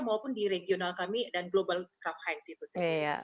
maupun di regional kami dan global craft hands itu sendiri